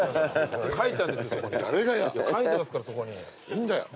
いいんだよ。